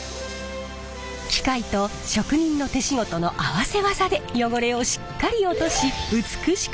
機械と職人の手仕事の合わせ技で汚れをしっかり落とし美しく仕上げます。